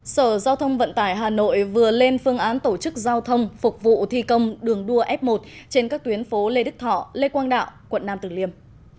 sở giao thông vận tải hà nội vừa lên phương án tổ chức giao thông phục vụ thi công đường đua f một trên các tuyến phố lê đức thọ lê quang đạo quận nam tử liêm